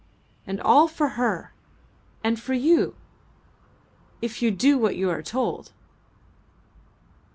And all for her and for you, if you do what you are told."